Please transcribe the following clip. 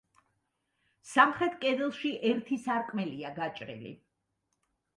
სამხრეთ კედელში ერთი სარკმელია გაჭრილი.